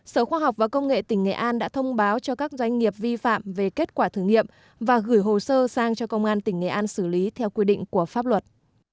sở khoa học và công nghệ tỉnh nghệ an đã thông báo cho các doanh nghiệp vi phạm về kết quả thử nghiệm và gửi hồ sơ sang cho công an tỉnh nghệ an xử lý theo quy định của pháp luật